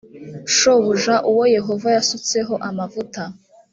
shobuja uwo yehova yasutseho amavuta